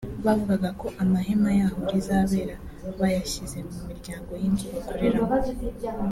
bavugaga ko amahema y’aho rizabera bayashyize mu miryango y’inzu bakoreramo